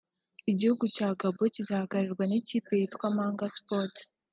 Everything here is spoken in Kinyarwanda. Igihugu cya Gabon cyizahagararirwa n’ikipe yitwa Manga Sport